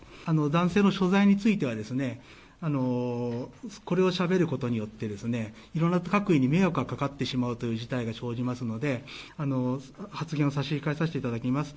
男性の所在についてはこれをしゃべることによっていろんな各位に迷惑がかかってしまうという事態が生じますので、発言は差し控えさせていただきます。